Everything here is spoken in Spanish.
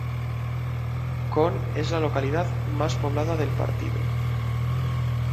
Con es la localidad más poblada del partido.